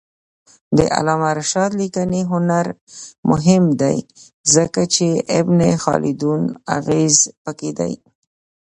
د علامه رشاد لیکنی هنر مهم دی ځکه چې ابن خلدون اغېز پکې دی.